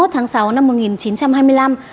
hai mươi tháng sáu năm một nghìn chín trăm hai mươi năm